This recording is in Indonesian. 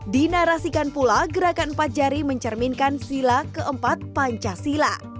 dinarasikan pula gerakan empat jari mencerminkan sila keempat pancasila